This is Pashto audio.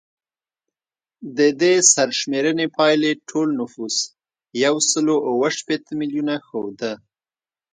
د دې سرشمېرنې پایلې ټول نفوس یو سل اووه شپیته میلیونه ښوده